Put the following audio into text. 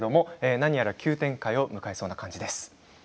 何やら急展開を迎えそうです。